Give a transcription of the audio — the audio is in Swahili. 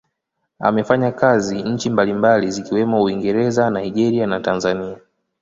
Amefanya kazi nchi mbalimbali zikiwemo Uingereza, Nigeria na Tanzania.